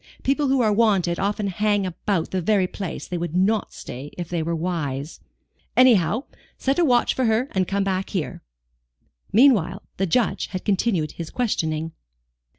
People who are wanted often hang about the very place they would not stay in if they were wise. Anyhow, set a watch for her and come back here." Meanwhile, the Judge had continued his questioning.